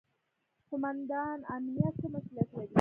قوماندان امنیه څه مسوولیت لري؟